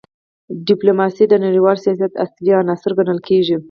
ډیپلوماسي د نړیوال سیاست اصلي عنصر ګڼل کېږي.